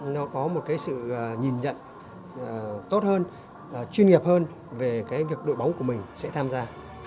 nó có một cái sự nhìn nhận tốt hơn chuyên nghiệp hơn về cái việc đội bóng của mình sẽ tham gia